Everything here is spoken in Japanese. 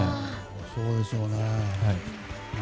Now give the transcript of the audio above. そうでしょうね。